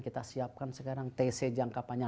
kita siapkan sekarang tc jangka panjang